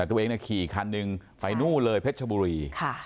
แต่ตัวเองขี่คันหนึ่งไปนู่นเลยเพชรชบุรี